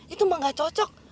itu mah gak cocok